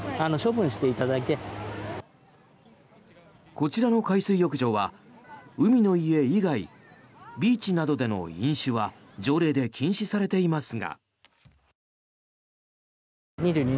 こちらの海水浴場は海の家以外ビーチなどでの飲酒は条例で禁止されていますが。